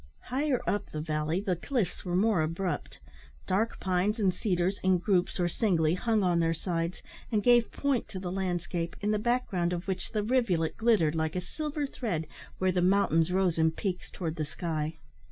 Higher up the valley the cliffs were more abrupt. Dark pines and cedars, in groups or singly, hung on their sides, and gave point to the landscape, in the background of which the rivulet glittered like a silver thread where the mountains rose in peaks towards the sky.